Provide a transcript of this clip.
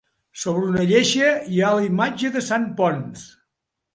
Sobre una lleixa hi ha la imatge de Sant Ponç.